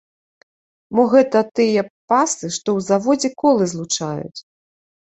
Мо гэта тыя пасы, што ў заводзе колы злучаюць?